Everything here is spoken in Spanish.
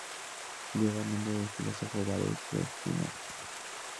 Lleva el nombre del filósofo Baruch de Spinoza.